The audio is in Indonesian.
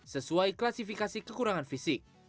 sesuai klasifikasi kekurangan fisik